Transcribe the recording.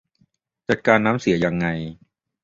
จัดการน้ำเสียยังไง